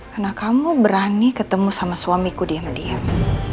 karena kamu berani ketemu sama suamiku diam diam